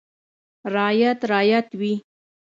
• رعیت رعیت وي.